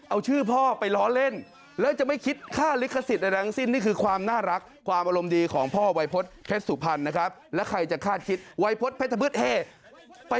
เอาชื่อพ่อไปล้อเล่นและจะไม่คิดค่าอริคสิตข้างสิ้นนี่คือความน่ารักความอารมณ์ดีของพ่อไวพฤตเพชรสุพรรณนะครับและใครจะข้าดคริสต์ไวพฤทเพชรตะพืชอ่๊ะ